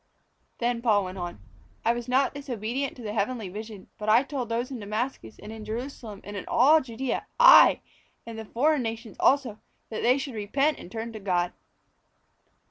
'" Then Paul went on: "I was not disobedient to the heavenly vision; but I told those in Damascus and in Jerusalem and in all Judæa, aye! and the foreign nations also, that they should repent and turn to God.